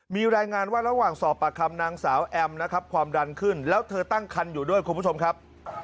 มีรายงานว่าระหว่างสอบปากคำนางสาวแอมนะครับความดันขึ้นแล้วเธอตั้งคันอยู่ด้วยคุณผู้ชมครับ